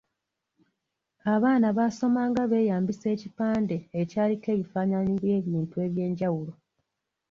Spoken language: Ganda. Abaana baasomanga beeyambisa ekipande ekyaliko ebifaananyi by’ebintu eby’enjawulo.